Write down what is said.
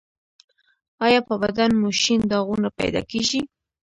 ایا په بدن مو شین داغونه پیدا کیږي؟